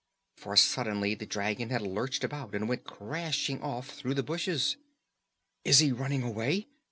For suddenly the dragon had lurched about and went crashing off through the bushes. "Is he running away?"